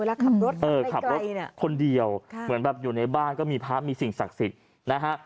ขับรถเออขับรถคนเดียวเหมือนแบบอยู่ในบ้านก็มีพระมีสิ่งศักดิ์สิทธิ์นะฮะ